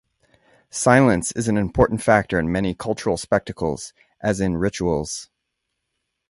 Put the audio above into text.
Silence is an important factor in many cultural spectacles, as in rituals.